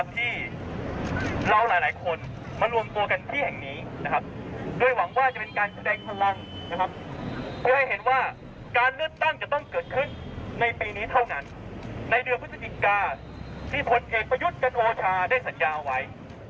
ที่ผลเอกประยุทธจันโอชาได้สัญญาไว้